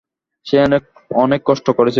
সে অনেক কষ্ট করেছে তাই।